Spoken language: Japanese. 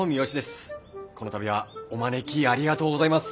この度はお招きありがとうございます。